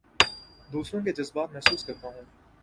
دوسروں کے جذبات محسوس کرتا ہوں